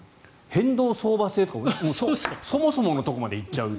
変動相場制とかそもそものところまで行っちゃう。